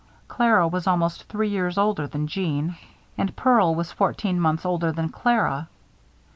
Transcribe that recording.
Clara was almost three years older than Jeanne, and Pearl was fourteen months older than Clara.